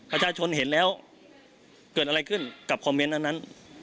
ประชาชนเห็นแล้วเกิดอะไรขึ้นกับคอมเมนต์อันนั้น